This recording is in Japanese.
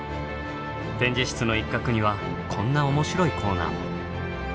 展示室の一角にはこんな面白いコーナーも。